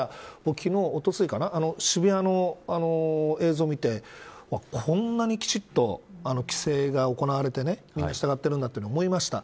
昨日、おとといかな渋谷の映像を見てこんなに、きちっと規制が行われていて皆が従っているんだと思いました。